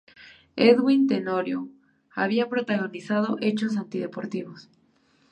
Edwin Tenorio ha protagonizado hechos anti-deportivos.